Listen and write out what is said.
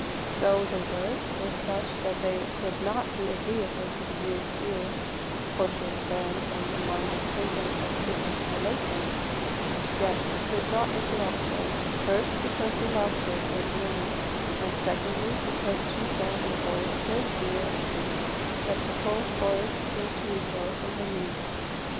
Though the words were such that they could not be agreeable to the youth's ears (for she had learned them among her pagan and wicked relations), yet he could not interrupt her, first, because he loved her so dearly, and, secondly, because she sang in a voice so clear and sweet that the whole forest seemed to rejoice in her music.